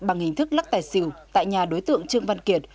bằng hình thức lắc tài xỉu tại nhà đối tượng trương văn kiệt